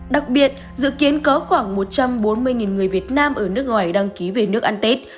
đặc biệt dự kiến có khoảng một trăm bốn mươi người việt nam ở nước ngoài đăng ký về nước ăn tết